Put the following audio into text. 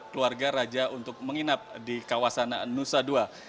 keluarga raja untuk menginap di kawasan nusa dua